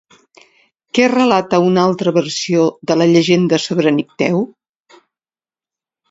Què relata una altra versió de la llegenda sobre Nicteu?